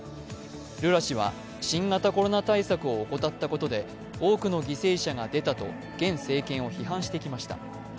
ルラ氏は、新型コロナ対策を怠ったことで多くの犠牲者が出たと現政権を批判してきました。